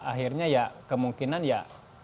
akhirnya ya kemungkinan ya